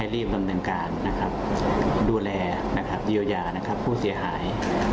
รีบดำเนินการดูแลเยียวยาผู้เสียหาย